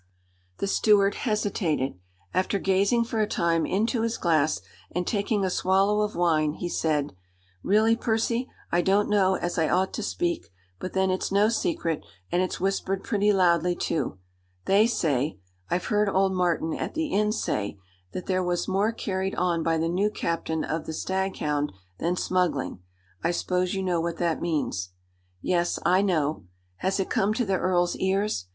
The steward hesitated. After gazing for a time into his glass, and taking a swallow of wine, he said: "Really, Percy, I don't know as I ought to speak; but then it's no secret, and it's whispered pretty loudly, too. They say I've heard old Martin at the inn say that there was more carried on by the new captain of the Staghound than smuggling. I s'pose you know what that means?" "Yes. I know. Has it come to the earl's ears?"